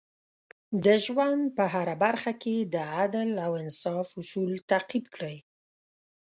د ژوند په هره برخه کې د عدل او انصاف اصول تعقیب کړئ.